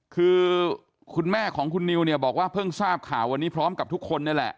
คือคุณแม่ของคุณนิวเนี่ยบอกว่าเพิ่งทราบข่าววันนี้พร้อมกับทุกคนนี่แหละ